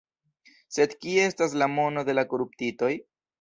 Sed kie estas la mono de la koruptitoj?